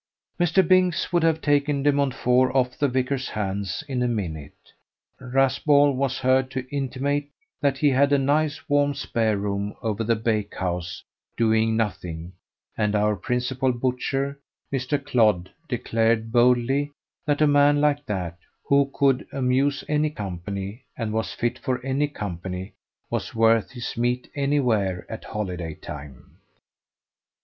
Mr. Binks would have taken De Montfort off the vicar's hands in a minute. Raspall was heard to intimate that he had a nice warm spare room over the bakehouse doing nothing; and our principal butcher, Mr. Clodd, declared boldly that a man like that, who could amuse any company, and was fit for any company, was worth his meat anywhere at holiday time.